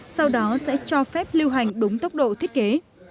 sau đó sẽ cho phép lưu hành đúng tốc độ thiết kế